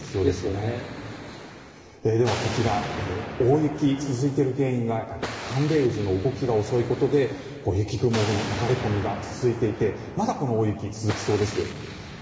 では、こちら大雪、続いている原因がやっぱり寒冷渦の動きが遅いことで雪雲の流れ込みが続いていてまだこの大雪、続きそうです。